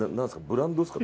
ブランドですか？